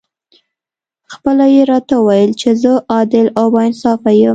خپله یې راته وویل چې زه عادل او با انصافه یم.